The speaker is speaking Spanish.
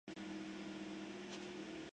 Él usa su poder para controlar a Bind.